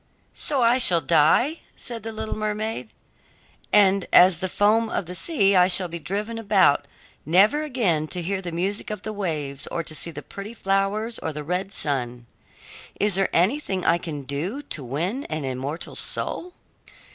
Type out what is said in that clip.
"So I shall die," said the little mermaid, "and as the foam of the sea I shall be driven about, never again to hear the music of the waves or to see the pretty flowers or the red sun? Is there anything I can do to win an immortal soul?"